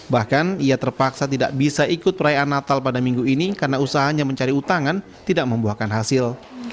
bahkan ia terpaksa tidak bisa ikut perayaan natal pada minggu ini karena usahanya mencari utangan tidak membuahkan hasil